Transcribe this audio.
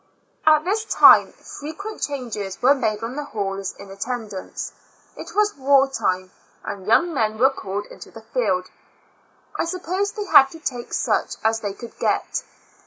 At this time, frequent changes were made on the halls in attendants; it was war time, and young men were called into the field; I suppose they had to ^take such as they 70 ^^^'0 Years and Four Months could get.